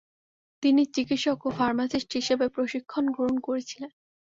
তিনি চিকিৎসক ও ফার্মাসিস্ট হিসেবে প্রশিক্ষণ গ্রহণ করেছিলেন।